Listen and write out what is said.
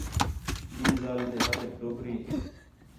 ٻئی ذال تے ہتھیک ٹوکری ہی